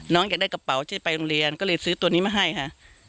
อยากได้กระเป๋าที่ไปโรงเรียนก็เลยซื้อตัวนี้มาให้ค่ะ